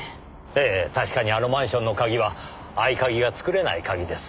ええ確かにあのマンションの鍵は合鍵が作れない鍵です。